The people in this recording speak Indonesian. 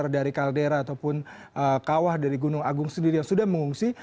dari kaldera ataupun kawah dari gunung agung sendiri yang sudah mengungsi